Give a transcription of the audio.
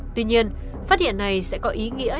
tuy nhiên phát hiện này sẽ có ý nghĩa